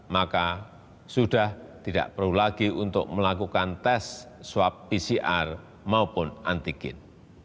maka sudah tidak perlu lagi untuk melakukan tes swab pcr maupun antigen